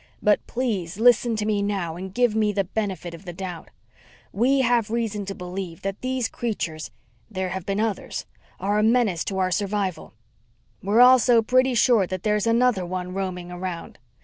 But please listen to me now and give me the benefit of the doubt. We have reason to believe that these creatures there have been others are a menace to our survival. We're also pretty sure that there's another one roaming around.